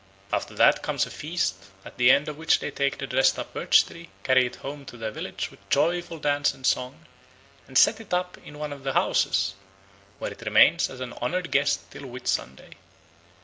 After that comes a feast, at the end of which they take the dressed up birch tree, carry it home to their village with joyful dance and song, and set it up in one of the houses, where it remains as an honoured guest till Whitsunday.